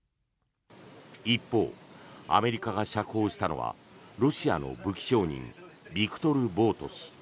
一方、アメリカが釈放したのはロシアの武器商人ビクトル・ボウト氏。